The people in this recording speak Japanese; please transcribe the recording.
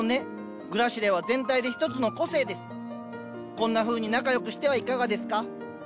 こんなふうに仲良くしてはいかがですか？